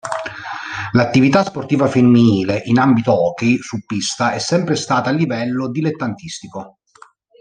L'attività sportiva femminile in ambito hockey su pista è sempre stata a livello dilettantistico.